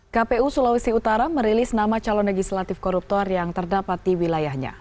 kpu sulawesi utara merilis nama calon legislatif koruptor yang terdapat di wilayahnya